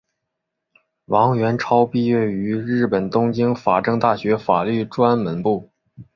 王元超毕业于日本东京法政大学法律专门部。